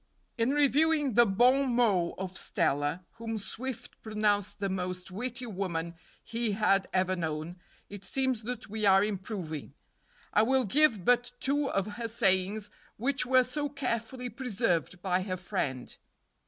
In reviewing the bon mots of Stella, whom Swift pronounced the most witty woman he had ever known, it seems that we are improving. I will give but two of her sayings, which were so carefully preserved by her friend.